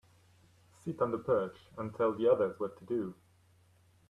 Sit on the perch and tell the others what to do.